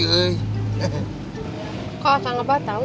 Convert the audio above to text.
kau akan ngebah tau